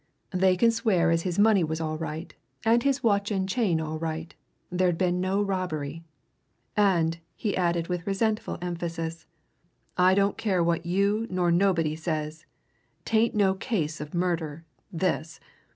They can swear as his money was all right and his watch and chain all right there'd been no robbery. And," he added with resentful emphasis, "I don't care what you nor nobody says! 'tain't no case of murder, this!